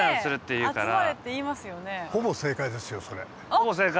ほぼ正解？